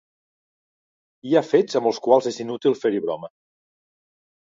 Hi ha fets amb els quals és inútil fer-hi broma.